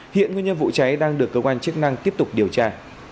hiện nguyên nhân vụ cháy đang được cơ quan chức năng tiếp tục điều tra